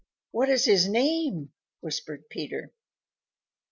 "What is his name?" whispered Peter.